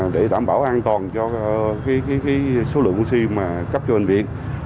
để đảm bảo an toàn cho số lượng oxy mà cấp cho bệnh viện